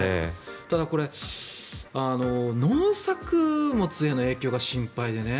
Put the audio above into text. ただ、農作物への影響が心配でね。